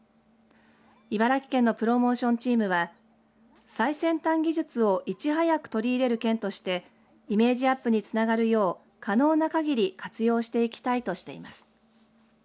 茨城県のプロモーションチームは最先端技術をいち早く取り入れる県としてイメージアップにつながるよう可能な限り活用していきたいとしています。